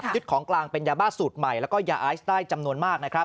ยึดของกลางเป็นยาบ้าสูตรใหม่และยาไอซ์ได้จำนวนมาก